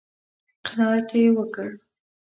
_قناعت يې وکړ؟